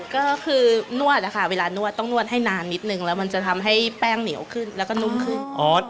ก็คือนวดอะค่ะเวลานวดต้องนวดให้นานนิดนึงแล้วมันจะทำให้แป้งเหนียวขึ้นแล้วก็นุ่มขึ้น